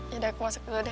yaudah aku masuk dulu deh